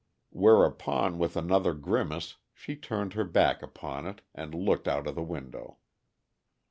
Whereupon, with another grimace, she turned her back upon it and looked out of the window.